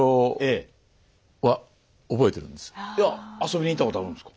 いや遊びに行ったことあるんですか？